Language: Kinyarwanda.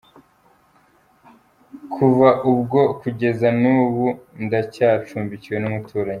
Kuva ubwo kugeza n’ubu ndacyacumbikiwe n’umuturanyi.